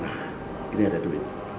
nah ini ada duit